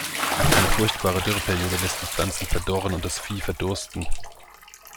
Eine furchtbare Dürreperiode lässt die Pflanzen verdorren und das Vieh verdursten.